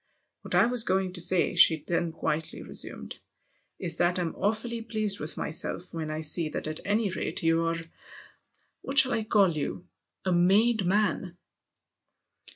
" What I was going to say," she then quietly resumed, " is that I'm awfully pleased with myself when I see that at any rate you're what shall I call you ? a made man."